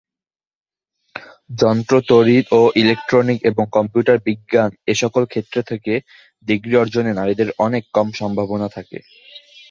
যন্ত্র, তড়িৎ ও ইলেক্ট্রনিক এবং কম্পিউটার বিজ্ঞান এসকল ক্ষেত্র থেকে ডিগ্রী অর্জনে নারীদের অনেক কম সম্ভাবনা থাকে।